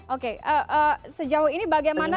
oke sejauh ini bagaimana